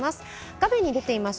画面に出ています